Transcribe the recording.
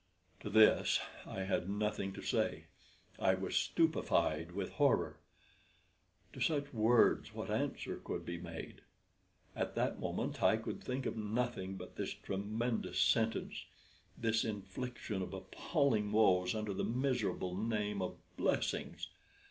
To this I had nothing to say; I was stupefied with horror. To such words what answer could be made? At that moment I could think of nothing but this tremendous sentence this infliction of appalling woes under the miserable name of blessings!